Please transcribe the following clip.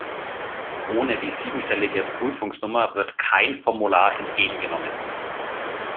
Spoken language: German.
Ohne die siebenstellige Prüfungsnummer wird kein Formular entgegengenommen.